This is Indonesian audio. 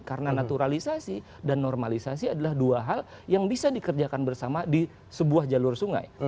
karena naturalisasi dan normalisasi adalah dua hal yang bisa dikerjakan bersama di sebuah jalur sungai